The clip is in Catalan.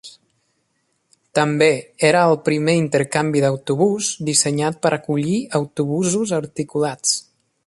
També era el primer intercanvi d'autobús dissenyat per acollir autobusos articulats.